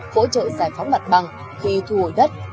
phỗ trợ giải phóng mặt bằng khí thu hồi đất